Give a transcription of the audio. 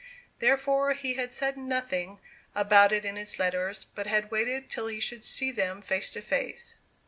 Therefore he had said nothing about it in his letters, but had waited till he should see them face to face.